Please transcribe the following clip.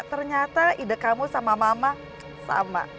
ternyata ide kamu sama mama sama